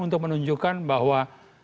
untuk menunjukkan bahwa